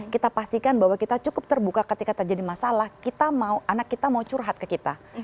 kita pastikan bahwa kita cukup terbuka ketika terjadi masalah kita mau anak kita mau curhat ke kita